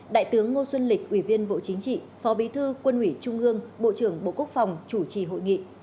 đại tướng ngô xuân lịch ủy viên bộ chính trị phó bí thư quân ủy trung ương bộ trưởng bộ quốc phòng chủ trì hội nghị